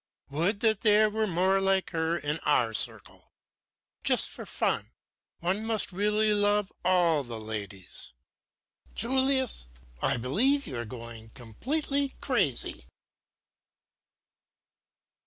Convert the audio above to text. "Would that there were more like her in our circle! Just in fun, one must really love all the ladies." "Julius, I believe you are going completely crazy!"